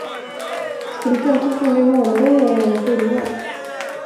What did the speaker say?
Skulle femton kronor i månaden göra någon skillnad?